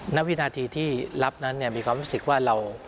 ณวินาทีที่รับนั้นมีความรู้สึกว่าเรา